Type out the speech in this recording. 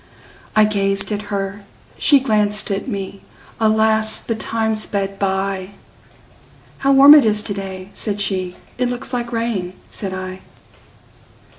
I gazed at her, she glanced at me; Alas! the time sped by:"How warm it is to day!" said she;"It looks like rain," said I.